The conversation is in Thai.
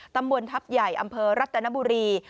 ตำบลทัพใหญ่อำเภอรัตนบุรี